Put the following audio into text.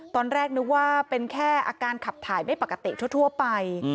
ตอนแรกนึกว่าเป็นแค่อาการขับถ่ายไม่ปกติทั่วไป